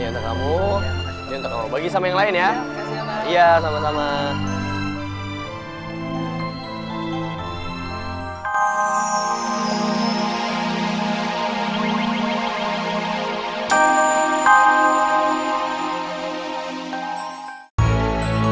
ini untuk kamu ini untuk kamu bagi sama yang lain ya